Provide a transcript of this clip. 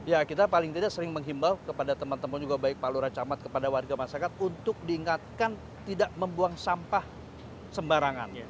ya kita paling tidak sering menghimbau kepada teman teman juga baik pak lura camat kepada warga masyarakat untuk diingatkan tidak membuang sampah sembarangan